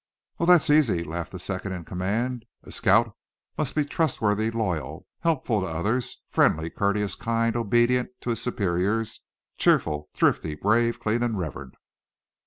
"Oh! that's easy," laughed the second in command. "A scout must be trustworthy, loyal, helpful to others, friendly, courteous, kind, obedient to his superiors, cheerful, thrifty, brave, clean and reverent."